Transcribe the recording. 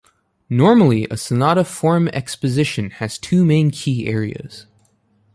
Normally, a sonata form exposition has two main key areas.